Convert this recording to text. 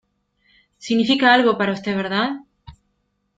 significa algo para usted, ¿ verdad?